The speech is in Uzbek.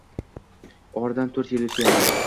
Oradan to'r? yil o'tgandi